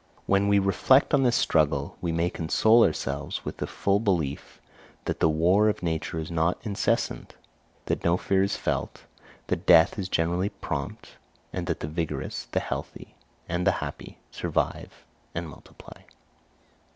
When we reflect on this struggle we may console ourselves with the full belief that the war of nature is not incessant, that no fear is felt, that death is generally prompt, and that the vigorous, the healthy, and the happy survive and multiply.